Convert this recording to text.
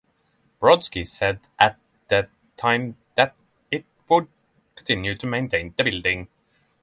Brodsky said at the time that it would continue to maintain the building.